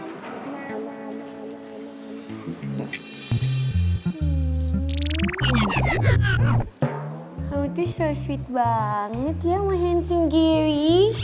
kamu tuh so sweet banget ya mbak hanson giri